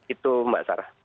itu mbak sarah